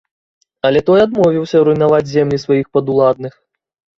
Але той адмовіўся руйнаваць землі сваіх падуладных.